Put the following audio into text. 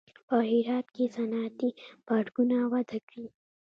په هرات کې صنعتي پارکونه وده کړې